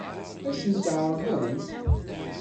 Ad sent-t-ɛeṛḍent?